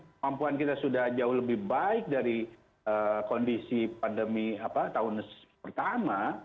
kemampuan kita sudah jauh lebih baik dari kondisi pandemi tahun pertama